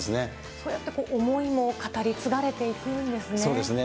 そうやって思いも語り継がれそうですね。